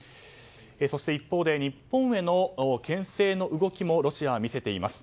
そして、一方で日本への牽制の動きもロシアは見せています。